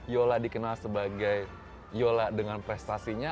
yola dikenal sebagai yola dengan prestasinya